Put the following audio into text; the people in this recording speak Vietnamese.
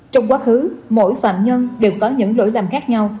trong quá khứ mỗi phạm nhân đều có những lỗi lầm khác nhau